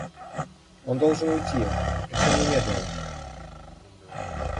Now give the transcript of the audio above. Он должен уйти, причем немедленно.